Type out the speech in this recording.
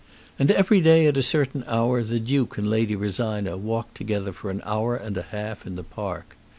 And every day at a certain hour the Duke and Lady Rosina walked together for an hour and a half in the park.